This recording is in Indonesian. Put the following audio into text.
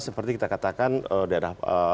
seperti kita katakan daerah